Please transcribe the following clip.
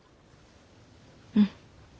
うん。